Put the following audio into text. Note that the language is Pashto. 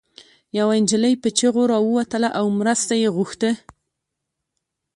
يوه انجلۍ په چيغو راووتله او مرسته يې غوښته